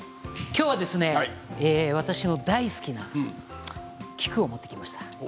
今日は私の大好きな菊を持ってきました。